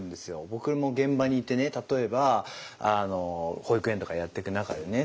僕も現場にいてね例えば保育園とかやっていく中でね